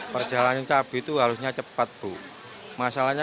tantangan menjadi lebih tinggi